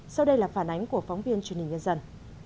sau đây là phản ánh của phóng viên truyền hình nhân dân